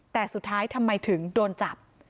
แต่สุดท้ายทำไมถึงโดนจับ